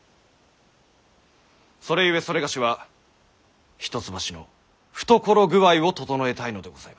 それゆえ某は一橋の懐具合をととのえたいのでございます。